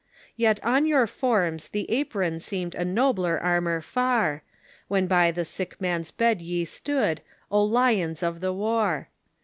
Yet on your forms the apron seemed a nobler armor far, When by the sick man's bed j'e stood, O lions of the war!